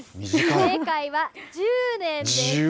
正解は１０年です。